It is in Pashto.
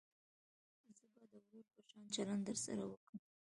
زه به د ورور په شان چلند درسره وکم.